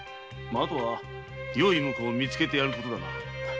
後はよい婿を見つけてやることだな。